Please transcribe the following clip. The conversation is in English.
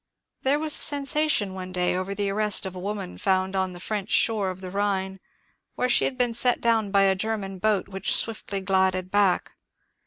There was a sensation one day over the arrest of a woman found On the French shore of the Rhine where she had been set down by a German boat which swiftly glided back.